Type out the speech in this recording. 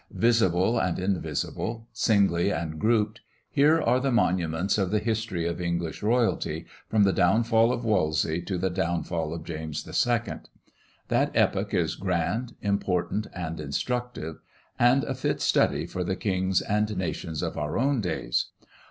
Visible and invisible, singly and grouped, here are the monuments of the history of English royalty, from the downfall of Wolsey to the downfall of James II. That epoch is grand, important, and instructive, and a fit study for the kings and nations of our own days.